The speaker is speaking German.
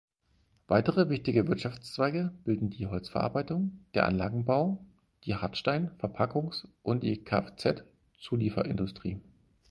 Weitere wichtige Wirtschaftszweige bilden die Holzverarbeitung, der Anlagenbau, die Hartstein-, Verpackungs- und die Kfz-Zulieferindustrie.